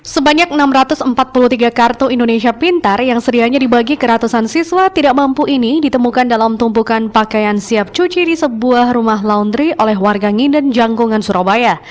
sebanyak enam ratus empat puluh tiga kartu indonesia pintar yang sedianya dibagi ke ratusan siswa tidak mampu ini ditemukan dalam tumpukan pakaian siap cuci di sebuah rumah laundry oleh warga nginden jangkungan surabaya